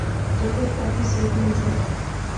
جنگت کافی صحت مند سا